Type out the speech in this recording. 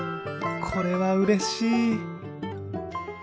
これはうれしい！